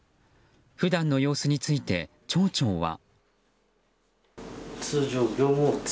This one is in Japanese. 普段の様子について町長は。